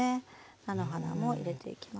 菜の花も入れていきます。